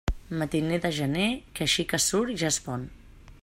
Matiner de gener, que així que surt ja es pon.